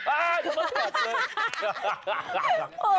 โอ้โห